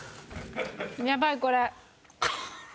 やばいこれ。